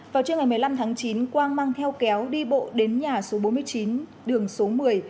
vào trưa ngày một mươi năm tháng chín quang mang theo kéo đi bộ đến nhà số bốn mươi chín đường số một mươi